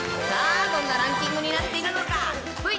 さあ、どんなランキングになっているのか。